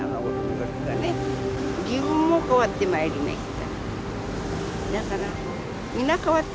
だから皆変わってまいりました。